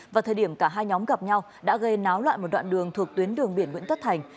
và thời điểm cả hai nhóm gặp nhau đã gây náo loạn một đoạn đường thuộc tuyến đường biển nguyễn thất thành